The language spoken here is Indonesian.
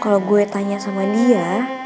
kalau gue tanya sama dia